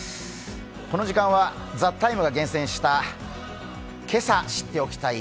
この時間は「ＴＨＥＴＩＭＥ，」が厳選した、今朝知っておきたい